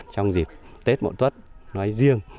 trong dịp tết mộn tuất nói riêng